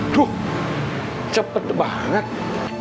duh cepet banget